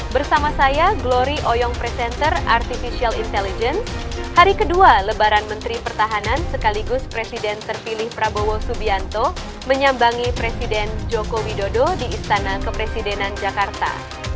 bersama saya glory oyong presenter artificial intelligence hari kedua lebaran menteri pertahanan sekaligus presiden terpilih prabowo subianto menyambangi presiden joko widodo di istana kepresidenan jakarta